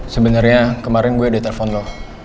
sebenernya kemarin gue udah telfon lo